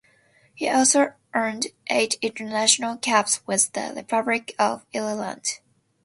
He also earned eight international caps with the Republic of Ireland.